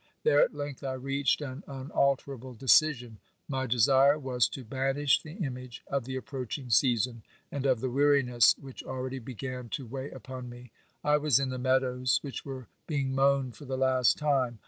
There at length I reached an unalterable decision. My desire was to banish the image of the approaching season, and of the weariness which already began to weigh upon me. I was in the meadows, which were being mown for the last time.